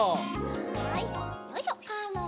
はいよいしょ。